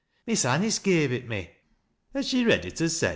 Miss Anico gave it me." " Has she read it liei sen